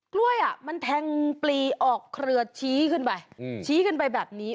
กล้วยมันแทงปลีออกเครือชี้ขึ้นไปชี้ขึ้นไปแบบนี้